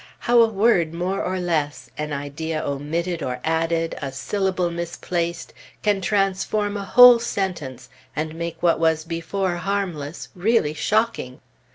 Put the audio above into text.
How a word more or less, an idea omitted or added, a syllable misplaced, can transform a whole sentence, and make what was before harmless, really shocking!